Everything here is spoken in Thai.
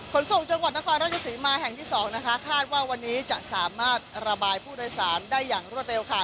ขนส่งจังหวัดนครราชสีมาแห่งที่สองนะคะคาดว่าวันนี้จะสามารถระบายผู้โดยสารได้อย่างรวดเร็วค่ะ